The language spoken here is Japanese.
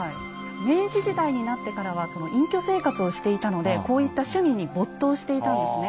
明治時代になってからはその隠居生活をしていたのでこういった趣味に没頭していたんですね。